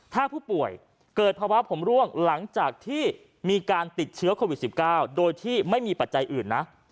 ถ้าผู้ป่วยเกิดภาวะผมร่วงหลังจากที่มีการติดเชื้อโควิด๑๙โดยที่ไม่มีปัจจัยอื่นนะ